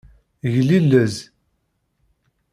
Glilez.